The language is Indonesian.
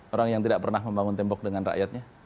orang yang tidak pernah membangun tembok dengan rakyatnya